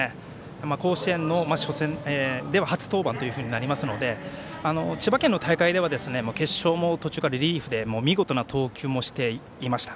甲子園の初戦では初登板となりますので千葉県の大会では決勝の途中からリリーフで見事な投球もしていました。